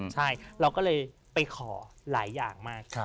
ใช่เราก็เลยไปขอหลายอย่างมาก